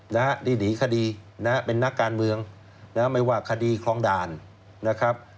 นะฮะที่หนีคดีนะฮะเป็นนักการเมืองนะฮะไม่ว่าคดีคลองด่านนะครับ